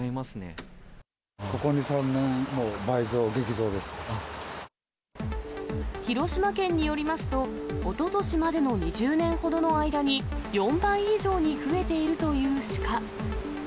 ここ２、３年、もう倍増、広島県によりますと、おととしまでの２０年ほどの間に、４倍以上に増えているというシカ。